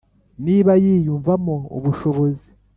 niba yiyumva mo ubushobozi,